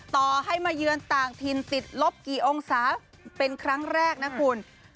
ต่อให้มาเยือนต่างถิ่นติดลบกี่องศาเป็นครั้งแรกนะคุณ